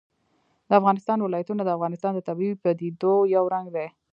د افغانستان ولايتونه د افغانستان د طبیعي پدیدو یو رنګ دی.